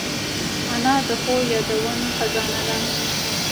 انا د ښو یادونو خزانه ده